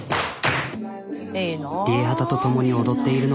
ＲＩＥＨＡＴＡと共に踊っているのは。